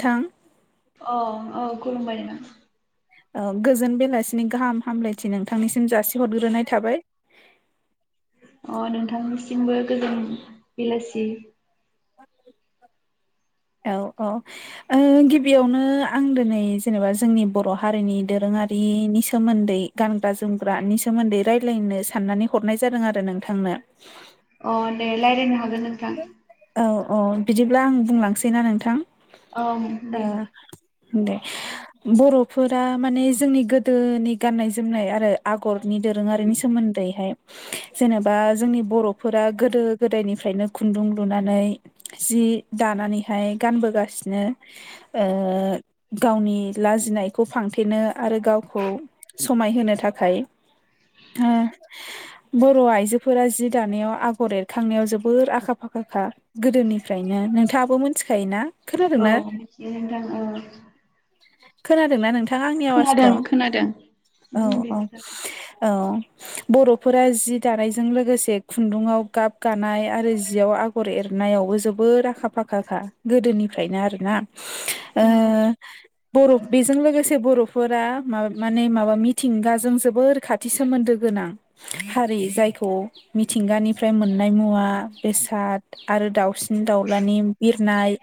थां [inaudible] औ औ खुलुमबाय नोंथां औ गोजोन बेलासिनि गाहाम हामलायथि नोंथांनिसिम जासिहरग्रोनाय थाबाय [inaudible] अ नोंथांनिसिमबो गोजोन बेलासि [unintelligible] [inaudible] औ औ ओ गिबियावनो आं दोनै जेनेबा जोंनि बर' हारिनि दोरोङारि इनि सोमोन्दै गानग्रा-जोमग्रानि सोमोन्दै रायलायनो साननानै हरनाय जादों आरो नोंथांनो [inaudible] अ दे रायलायनो हागोन नोंथां। औ औ बिदिब्ला आं बुंलांसै ना नोंथां औ ओ दे दे बर'फोरा माने जोंनि गोदोनि गाननाय जोमनाय आरो आगर नि दोरोङारिनि सोमोन्दैहाय जेनेबा जोंनि बर'फोरा गोदो गोदायनिफ्रायनो खुन्दुं लुनानै जि दानानैहाय गानबोगासिनो ओ गावनि लाजिनायखौ फांथेनो आरो गावखौ समायहोनो थाखाय ओ बर' आइजोफोरा जि दानायाव आगर एरखांनायाव जोबोर आखा फाखा खा गोदोनिफ्रायनो नोंथाङाबो मोनथिखा योना औ खोनादोंना दे नोंथां औ खोनादोंना नोंथां ङा आंनि आवाजखौ औ बुंदो औ नोंथां औ बर'फोरा जि दानायजों लोगोसे खुन्दुंवाव गाब गानाय आरो जि याव आगर एरनायावबो जोबोद आखा-फाखाखा गोदोनिफ्रायनो आरो ना ओ अ बरफ बेजों लोगोसे बरफ फोरा माबा माने माबा मिथिंगाजों जोबोर खाथि सोमोन्दो गोनां हारि जाय यखौ मिथिंगानिफ्राय मोननाय मुवा बेसाद आरो दाउसिन-दाउलानि बिरनाय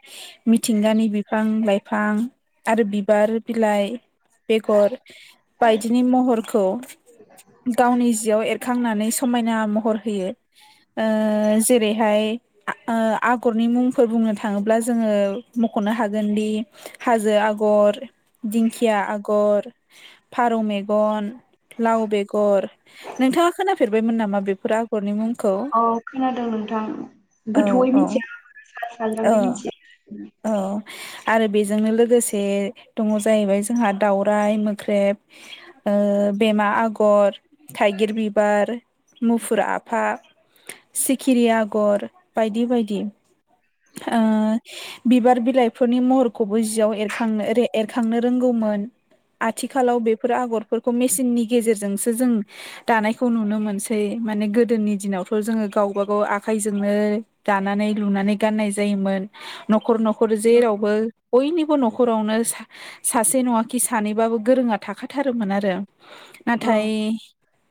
मिथिंगानि बिफां लाइफां आरो बिबार बिलाइ बेगर बायदिनि महरखौ गावनि जिआव एर खांनानै समायना महर होयो ओ जेरै हाय ओ आगरनि मुंफोर बुंनो थाङोब्ला जोङो मख'नो हागोन दि हाजो आगर' दिंखिया आगर'फारौ मेगन' लाव बेगर' नोंथाङा खोनाफेरबायमोन नामा बेफोर आगरनि मुं औ खोनादों नों थां औ गोथौयै औ मिथिया औ सा-साज्राङै मिथियो। औ आरो बेजोंनो लोगोसे दङ' जाहैबाय जोंहा दावराइ मोख्रेब' ओ बेमा आगर' थाइगिर बिबार' मुफुर आफा' सिखिरि आगर' बायदि बायदि। ओ बिबार बिलाइफोरनि महरखौबो जियाव एरखांनो एरखांनो रोंगौ -मोन आथिखालाव बेफोर माने गोदोनि दिनावथ जोङो गावबा -गाव आखायजोंनो दानानै लुनानै गाननाय जायोमोन नखर -नखर जेरावबो औ बयनिबो न- -खरावनो सासे नङा खि सानैबाबो गोरोङा थाखाथारोमोन आरो। औ नाथाय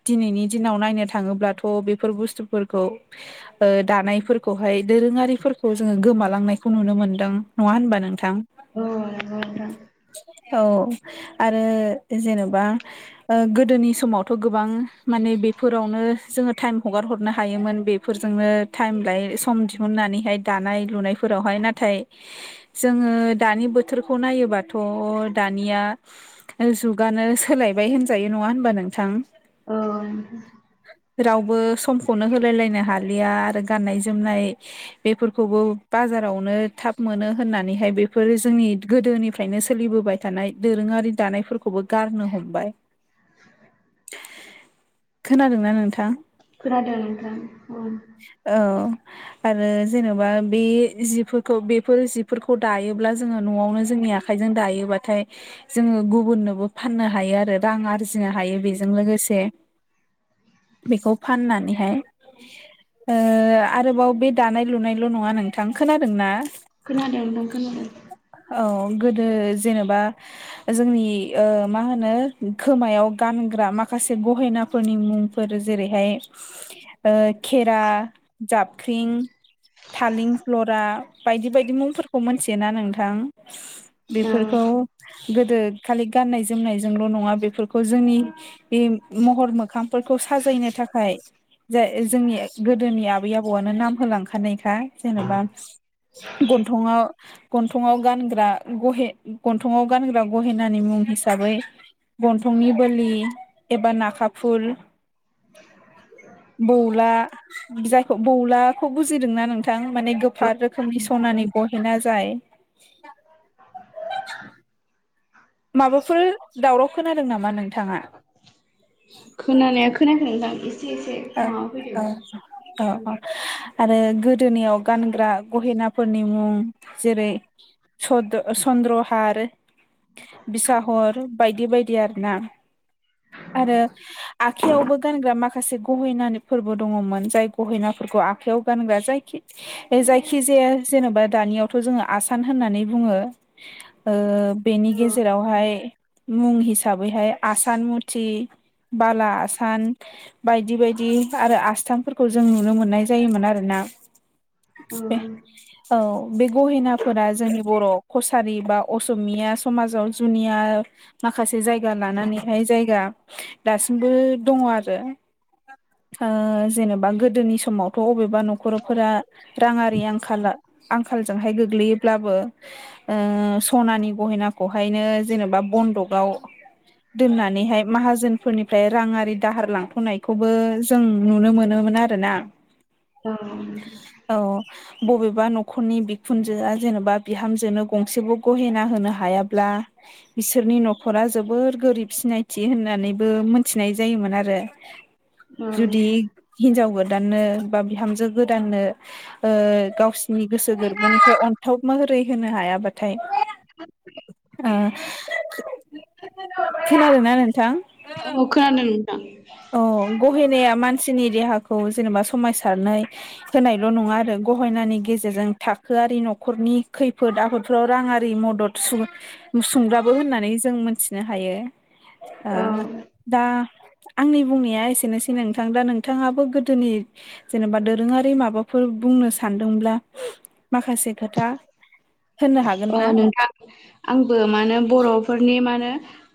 दिनैनि दिनाव नायनो थाङोब्लाथ बेफोर बुस्थुफोरखौ। [unintelligible] दानायफोरखौहाय दोरोङारिफोरखौ जोङो गोमालांनायखौ नुनो मोन्दों नङा होनबा नों- -थां औ नंगौ नोंथां औ। आरो जेनेबा गोदोनि समावथ गोबां माने बेफोरावनो जोङो टाइम हगार हरनो हायोमोन बे फोरजोंनो टाइम लायो सम दिहुननानैहाय दानाय लुनायफोरावहाय नाथाय जों। दानि बोथोरखौ नायोबाथ दानिया जुगानो सोलायबाय होन -जायो नङा होनबा नोंथां। औ रावबो समखौनो होलायलायनो हा -लिया आरो गाननाय जोमनाय बेफोरखौबो बाजारावनो थाब मोनो होननानैहाय। बेफोरो जोंनि गोदोनिफ्रायनो सोलिबोबाय थानाय दोरोङारि दानायफोरखौबो गारनो हमबाय। खोनादोंना नोंथां खोनादों नोंथां। औ औ। आरो जेनेबा बे जिफोरखौ बेफोर जिफोरखौ दायोब्ला जोङो नआवनो जों -नि आखाइजों दायोबाथाय जोङो गुबुननोबो फाननो हायो आरो रां आर -जिनो हायो बेजों लोगोसे बेखौ फाननानैहाय ओ आरोबाव बे दानाय लुनायल नङा नोंथां खोनादोंना खोनादों नोंथां खोनादों। औ गोदो जेनेबा जोंनि ओ मा होनो खोमायाव गानग्रा माखा -खासे गहेनाफोरनि मुंफोर जेरैहाय ओ खेरा जाबख्रिं थालिंफ्लरा बायदि बायदि मुंफोरखौ मिथियोना नोंथां बेफोरखौ औ गोदो खालि गाननाय जोमनायजोंल नङा बेफोरखौ जोंनि महर मोखां फोरखौ साजायनो थाखाय जाय जोंनि गोदोनि आबै आबौआनो नाम होलांखानायखा जेनबा गन्थंआव गानग्रा गहे गन्थंआव गानग्रा गहेनानि मुं हिसाबै गन्थंनि बोलि एबा नाखाफुल [unintelligible] बौला जायखौ बौलाखौ बुजिदोंना नोंथां माने गोफार रोखोमनि सनानि गहेना जाय माबाफोर दावराव खोनादों नामा नोंथाङा खोनानाया खोनायाखै नोंथां। एसे एसे अ माबा औ औ औ। फैदों आरो गोदोनियाव गानग्रा गहेनाफोरनि मुं जेरै सद सन न्द्रहार बिसाहर बायदि बायदि आरोना। आरो आखयावबो गानग्रा माखासे गहेनानिफोरबो दङमोन जाय गहेनाफोरखौ आखाइयाव गानग्रा जायखि जायखिजाया जेनेबा दानियावथ' जोङो आसान होननानै बुङो बेनि गेजेरावहाय मुं हिसाबैहाय आसान मुथि, बाला आसान बायदि बायदि आरो आसथामफोरखौ जों नुनो मोननाय जायोमोन आरोना। औ बे औ औ बे गहेनाफोरा जोंनि बर' कसारि बा असमिया समाजाव जुनिया माखासे जायगा लानानैहाय जायगा दासिमबो दङ' आरो। जेनेबा गोदोनि समावथ' अबेबा न'खरफोरा राङारि आंखाला आंखालजोंहाय गोग्लैयोब्लाबो ओ सनानि गहेनाखौहायनो जेनेबा बन्दकआव दोननानैहाय माहाजोनफोरनिफ्राय राङारि दाहार लांथ'नाय खौबो जों नुनो मोनोमोन आरोना। औ नोंथा। औ बबेबा न'खरनि बिखुनजोआ जेनेबा बिहामजोनो गंसेबो गहेना होनो हायाब्ला बिसोरनि न'खरा जोबोर गोरिब सिनायथि होननानैबो मोनथिनाय जायोमोन आरो। जुदि हिनजाव गो‌ दाननो बा बिहामजो गोदाननो ओ गावसोरनि गोसो-गोरबोनिफ्राय अनथोब मह रै होनो हायाबाथाय औ। ओ खोनादोंना नोंथां? औ खोनादों। अ गहेनाया मान मानसिनि देहाखौ जेनेबा समायसारनाय होनायल' नङा आरो गहेनानि गेजेरजों थाखो आरि न'खरनि खैफोद-आफोदफोराव राङारि मदद सुं सुंग्राबो होननानै जों मोन मिथिनो हायो। ओ औ दा आंनि बुंनाया एसेनोसै नोंथां दा नोंथाङाबो गोदोनि जेनेबा दोरोङारि माबाफोर बुं बुंनो सानदोंब्ला माखासे खोथा होननो हागोन अ ना नोंथां आंबो मानो बर'फोरनि माने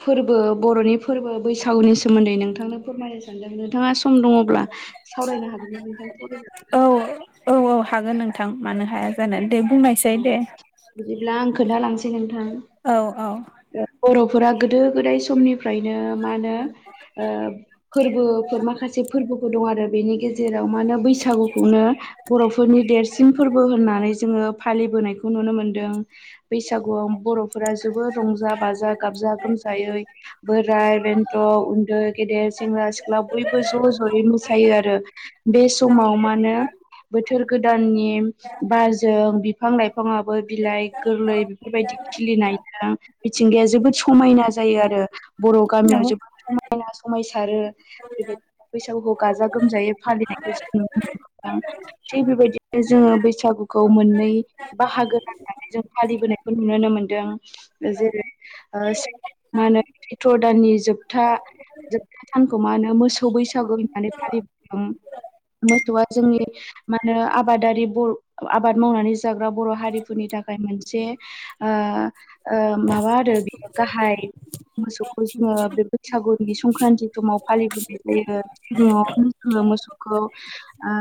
फोरबो बर'नि फोरबो बैसागुनि सोमोन्दै नोंथांनो फोरमायनो सानदों नोंथाङा सम दङ'ब्ला? सावरायनो हागोनना नोंथां फरा [unintelligible] औ औ औ हागोन नोंथां मानो हाया जानो। दे बुंनायसै ओ दे बिदिब्ला आं खोन्थालांसै नों औ औ। बर'फोरा गोदो गोदाय समनिफ्रायनो मा होनो ओ फोरबोफोर माखासे फोरबोफोर दं आरो बेनि गेजेर राव मा होनो बैसागुखौनो बर'फोरनि देरसिन फोरबो होननानै जोङो फालिबोनायखौ नुनो मोन्दों बैसागुआव बर'फोरा जोबोद रंजा बाजा गाबजा गोमजायै बोराय-बेन्थ', उन्दै-गेदेर, सेंग्रा-सिख्ला बयबो ज'-ज'यै मोसायो आरो बे समाव मा होनो बोथोर गोदाननि बारजों बिफां-लाइफाङाबो बिलाइ गोरलै बेफोरबायदि खिलिनायजों मिथिंगाया जोबोद समायना जायो आरो बर' गामियाव जोबोद समाय समायना समायसारो बेबायदिनो बैसागुखौ गाजा-गोमजायै फालिनायखौ जों नुनो मोनो। थिग बेबायदिनो जोङो बैसागुखौ मोननै बाहागो राननानै जों फालि नायखौ नुनो मोनदों जेरै ओ मा होनो सैत्र दाननि जोबथा जोबथा सानखौ मा होनो मोसौ बैसागु होननानै फालिबोदों। मोसौआ जोंनि मा होनो आबादारि बर आबाद मावनानै जाग्रा बर' हारिफोरनि थाखाय मोनसे ओ ओ माबा आरो बे गाहाय मोसौखौ जोङो बे बैसागु संक्रान्ति समाव फालिबोनाय जायो सिगाङाव‌ मोसौखौ ओ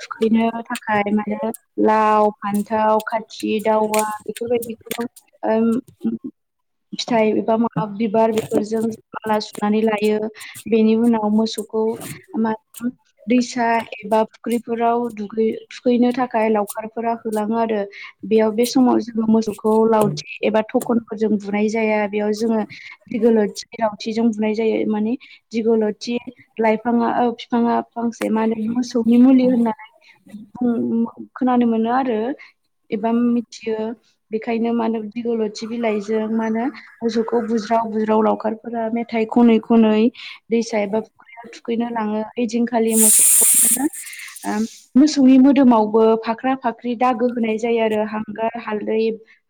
थुखैनो थाखाय माने लाव फान्थाव थाव खाथि दावा बेफोरबायदिखौ ओम ओ फिथाइ एबा माबा बिबार बेफोरजों माला सुनानै लायो बेनि उनाव मोसौ खौ‌‌मा होनो दैसा एबा फुख्रिफोरावु दुगै थुखैनो थाखाय लाव खारफोरा होलाङो आरो बेयाव बे समाव जोङो मोसौखौ लावथि एबा थ खनजों‌ बुनाय जाया‌ बेयाव जों दिगिलथि लावथि जों फुनाय जायो माने दिगलथि लाइफाङा बिफाङा फांसे मा होनो मोसौनि मुलि होननाय खोनानो मोनो आरो एबा मिथियो बेखायनो मा होनो दिगल थि बिलाइजों मा होनो मोसौखौ बुज्राव बुज्राव लावखारफोरा मेथाइ खनै खनै दै एबा फुख थुखैनो लाङो ओइदिनखालि मोस मोसौनि म मोदोमावबो फाख्रा फाख्रि दागो होनाय जायो आरो हांगार हालदै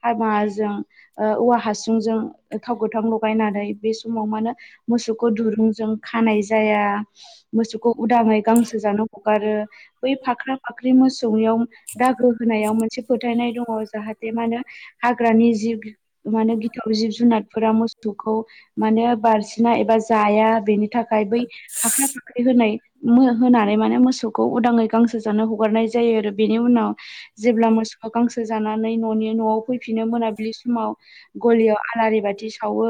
हामाजों औवा हासुंजों थाव गोथां लगायनानै बे समाव मा होनो मोसौखौ दुरुंजों खानाय ज मोसखौ उदाङै गांसो जानो हगारो बै फाख्रा फाख्रि मोसौ संयाव दागो होनायाव मोनसे फोथायनाय दङ जाहाथे मा होन हाग्रानि जि माने गिथाव जिब जुनारफोरा मोसौखौ माने बारसिन बिना एबा जाया बेनि थाखाय बै हाख्रा फाखै होनाय होनानै माने मोसौखौ उदाङै गांसो जानो हगारनाय जायो आरो बेनि उनाव जेब्ला मोसौ गांसो जानानै न'नि न'आव फैफिनो मोनाबिलि समाव गलियाव आलारि बाथि सावो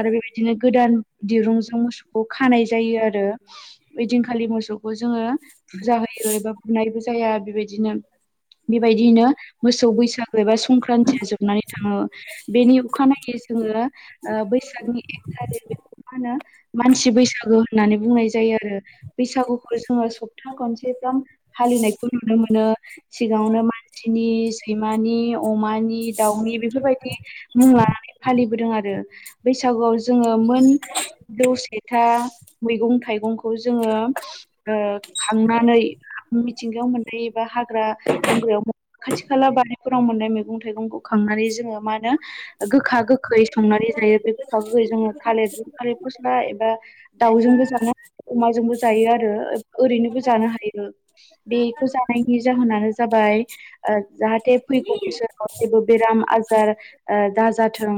आरो बेबायदिनो गोदान दिरुंजों मोसौ खानाय जायो आरो ओइदिनखालि मोसौखौ जोङो फुजा होयो एबा बुनायबो जाया बेबायदि बिदिनो बेबायदियनो मोसौ बैसागु एबा संक्रान्तया जोबनानै थाङो बेनि अखानायै जोङो बैसागनि एक थारिख बे अखाा होनो मानसि बैसागु होननानै बुंनाय जायो आरो बैसागुखौ जोङो सप्ता खनसे दम हालिनायखौ नुनो मोनो सिगाङावनो मानसिनि सैमानि अमानि दाउनि बेफोरबायदि मुं लानानै फालिबोदों आरो बैसागुआव जोङो दम दसे फथा मैगं थाइगंखौ जोङो खांनानै मिथिंगायाव मोननायबा हाग्रा बंग्रायाव खाथि खाला बारिफोराव मोननाय मैगं थाइगंखौ खांनानै जो मा होन गोखा गोखै संनानै जायो बे गोखा गोखै जोङो थालिरजों थालिर गस्ला दाउजोंबो जानो अमाजोंबो जायो आरो ओरैनोबो जानो हायो जानायनि जाहोनानो जाबाय जाहाथे फैगौ बोसोराव जेबो बेराम आज दाजाथों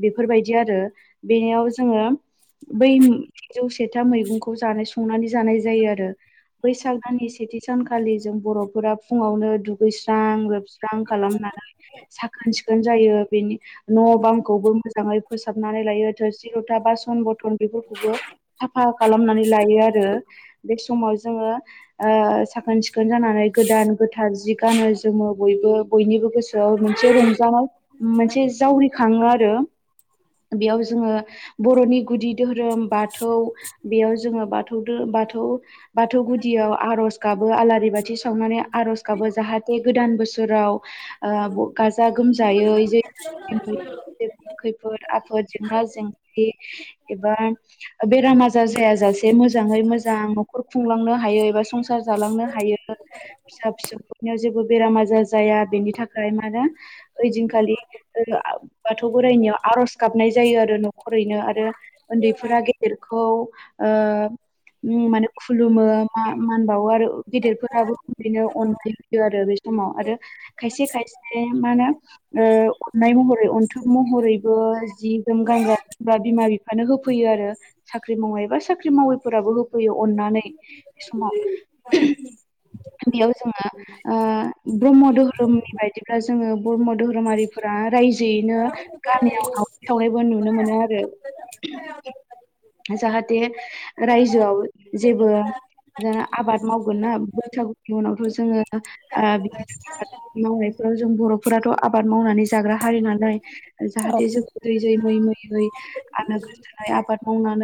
बेफोरबायदि आरो बेनियाव जोङो बै थजौ सेथा मैगंखौ जानाय संनानै जानाय जायो आरो बैसागनि सेथि सानखालि जों बर'फोरा फुङावनो दुगैस्रां लोबस्रां खालामनानै साखोन सिखोन ज बेनि न' बामखौबो मोजाङै फोसाबनानै लायो थोरसि लथा बा सन बथन साफा खालामनानै लायो आरो बे समाव जोङो साख साखोन सिखोन जानानै गोदान गोथार जि गानो जोमो बयबो बयनिबो गोसोआव मोनसे रंज मजानाव मोनसे जावरिखाङो आरो बेयाव जोङो बर'नि गुदि धोरोम बाथौ बेयाव जोङो बाथौ धोरोम बाथौ गुदियाव आर'ज गाबो आलारि बाथि सावनानै आर'ज गाबो जाहाथे गोदान [unintelligible] गोमजायै जे [inaudible] खैफोद आफोद जेंना जेंग एबा बेराम आजार जाय जासे एसे मोजाङै मोजां न'खर खुंलांनो हायो एबा संसार जालांनो हायो। फिसा फिसौफोरनियाव जेबो बेराम आजार जाया बेनि थाखाय मानो ओइदिनखालि बाथौ बोराइनियाव आर'ज गाबनाय जायो आरो न'खरैनो आरो उन्दैफोरा गेदेर खौ ओ ओम माने खुलुमो मा मानबावो आरो गेदिरफोराबो बिनो अननाय होैयो आरो बे समाव आरो खायसे खायसे ए मानो बिमा बिफानो होफैयो आरो साख्रि मावैबा साख्रि मावैफोराबो होफैयो अननानै बे समाव द [unintelligible] बेयाव जोङो ओ ब्रह्म धोरोमनि बायदिब्ला जोङो ब्रह्म धोरोमारिफोरा रायजोयैनो गामियाव आवनाय सावनायबो नुनो मोनो आरो जाहाथे रायजोआव जेबो आबाद मावगोन ना बैसागुनि उनावथ' जोङो ओ बिदि आबाद मावनायफोराव जों बर'फोराथ' आबाद मावनानै जाग्रा हारि नाल औ जाहाथे जों ज जै मै मै आलो गोजोनै आबाद मावनानै